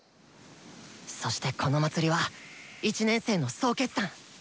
そしてこの祭りは１年生の総決算。